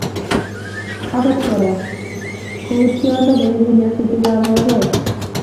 Agot Kora ko tuindo koibu nyasutikab oret